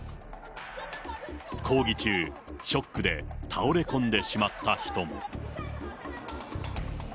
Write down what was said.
抗議中、ショックで倒れ込んでしまった人も。